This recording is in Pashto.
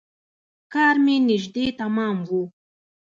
کار مې نژدې تمام و.